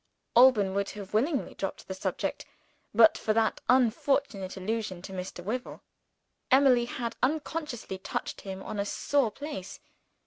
Alban would have willingly dropped the subject but for that unfortunate allusion to Mr. Wyvil. Emily had unconsciously touched him on a sore place.